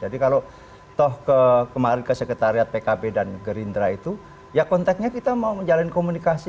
jadi kalau toh kemarin ke sekretariat pkb dan gerindra itu ya kontaknya kita mau menjalani komunikasi